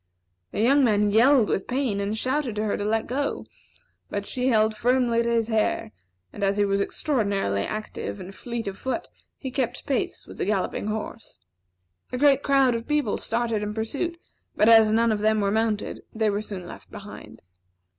The young man yelled with pain, and shouted to her to let go; but she held firmly to his hair, and as he was extraordinarily active and fleet of foot, he kept pace with the galloping horse. A great crowd of people started in pursuit, but as none of them were mounted, they were soon left behind.